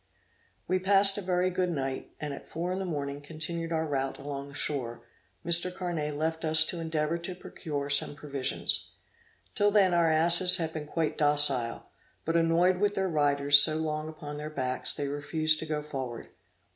We passed a very good night, and at four in the morning continued our route along the shore, Mr. Carnet left us to endeavor to procure some provisions. Till then our asses had been quite docile; but, annoyed with their riders so long upon their backs, they refused to go forward.